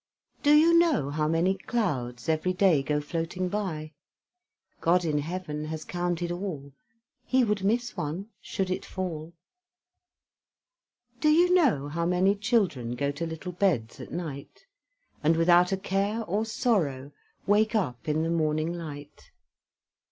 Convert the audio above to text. Do you know how many clouds Ev'ry day go floating by? God in heaven has counted all, He would miss one should it fall. Do you know how many children Go to little beds at night, And without a care or sorrow, Wake up in the morning light?